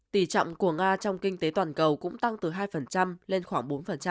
tỷ trọng của nga trong kinh tế toàn cầu cũng tăng từ hai lên khoảng bốn